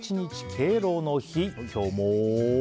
敬老の日、今日も。